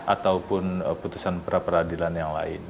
ataupun putusan pra peradilan yang lain